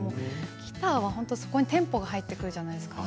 ギターはそこにテンポが入ってくるじゃないですか